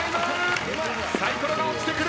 サイコロが落ちてくる。